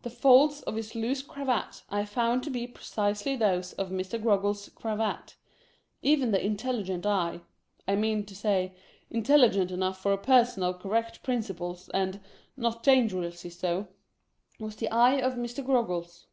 The folds of his loose cravat I found to be precisely those of Mr. Groggles' cravat. Even the intelligent eye — I mean to say, intelligent enough for a person of correct principles, and not dangerously so — was the eye of Mr. Groggles.